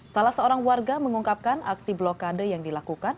salah seorang warga mengungkapkan aksi blokade yang dilakukan